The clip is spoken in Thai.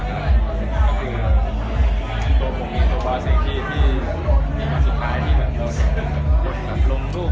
ก็คือตัวผมเองตัวบอสเองที่มีคนสุดท้ายที่มีคนลงรูป